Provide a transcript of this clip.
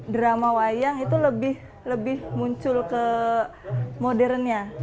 drama wayang itu lebih muncul ke modernnya